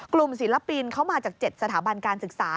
ศิลปินเขามาจาก๗สถาบันการศึกษา